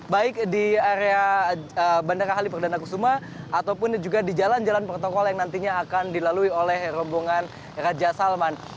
baik di area bandara halim perdana kusuma ataupun juga di jalan jalan protokol yang nantinya akan dilalui oleh rombongan raja salman